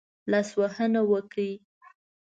لاسوهنه وکړي.